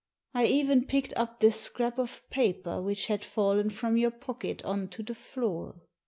I even picked up this scrap of paper which had fallen from your pocket on to the floor."